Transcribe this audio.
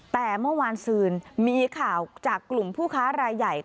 แต่เมื่อวานซืนมีข่าวจากกลุ่มผู้ค้ารายใหญ่